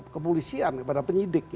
kepolisian kepada penyidik